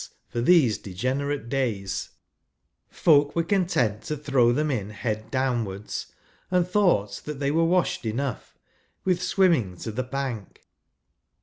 for these degenerate days) [Conducted hy folk were content to throw them in head downwards, and thought that they wei e washed enough with swimming to tlie bank.